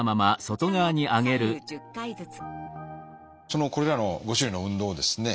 そのこれらの５種類の運動をですね